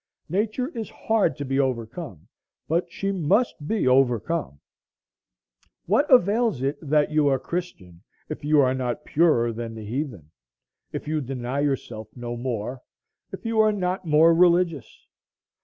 Nature is hard to be overcome, but she must be overcome. What avails it that you are Christian, if you are not purer than the heathen, if you deny yourself no more, if you are not more religious?